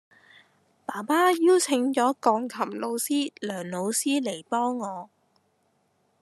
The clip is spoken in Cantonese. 爸爸邀請咗鋼琴老師梁老師嚟幫我